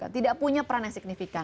tidak punya peran yang signifikan